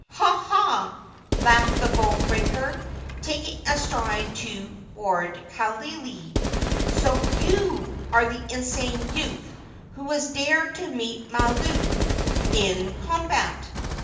"Ha! ha!" laughed the bone breaker, taking a stride toward Kaaialii; "so you are the insane youth who has dared to meet Mailou in combat!